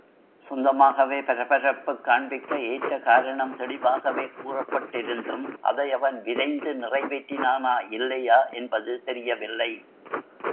சொந்தமாகவே பரபரப்புக் காண்பிக்க ஏற்ற காரணம் தெளிவாகவே கூறப்பட்டிருந்தும் அதை அவன் விரைந்து நிறைவேற்றினானா இல்லையா என்பது தெரியவில்லை.